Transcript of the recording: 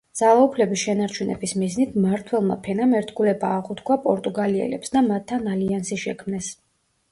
ძალაუფლების შენარჩუნების მიზნით მმართველმა ფენამ ერთგულება აღუთქვა პორტუგალიელებს და მათთან ალიანსი შექმნეს.